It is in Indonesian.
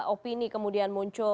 opini kemudian muncul